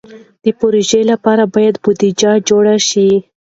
د پروژو لپاره باید بودیجه جوړه شي.